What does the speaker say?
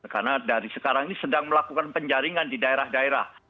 karena dari sekarang ini sedang melakukan penjaringan di daerah daerah